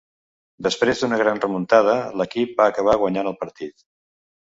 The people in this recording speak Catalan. Després d'una gran remuntada, l'equip va acabar guanyant el partit.